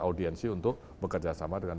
audiensi untuk bekerja sama dengan